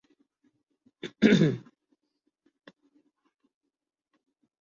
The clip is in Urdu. ایشیا کپ کیلئے سری لنکا کی ٹیم میں ملنگا کی واپسی